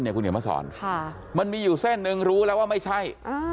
คุณเหนียวมาสอนมันมีอยู่เส้นหนึ่งรู้แล้วว่าไม่ใช่